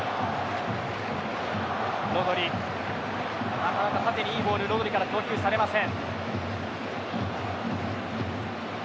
なかなか縦にいいボールロドリから供給されません。